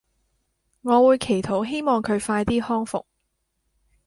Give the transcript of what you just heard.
我會祈禱希望佢快啲康復